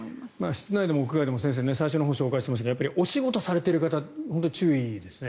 室内でも屋外でも先生最初のほうに紹介しましたがお仕事されている方は本当に注意ですね。